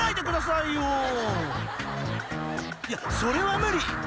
［いやそれは無理！］